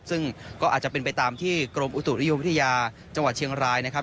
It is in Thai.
ซึ่งก็อาจจะเป็นไปตามที่กรมอุตุนิยมวิทยาจังหวัดเชียงรายนะครับ